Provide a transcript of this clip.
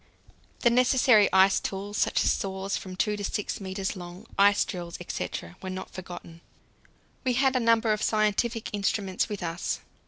The necessary ice tools, such as saws from 2 to 6 metres long, ice drills, etc., were not forgotten. We had a number of scientific instruments with us.